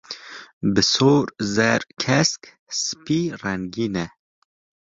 bi sor, zer, kesk, sipî rengîn e.